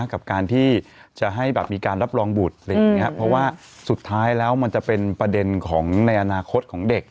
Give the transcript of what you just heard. กับการที่จะให้แบบมีการรับรองบุตรอะไรอย่างเงี้ยเพราะว่าสุดท้ายแล้วมันจะเป็นประเด็นของในอนาคตของเด็ก